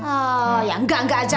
oh ya enggak enggak aja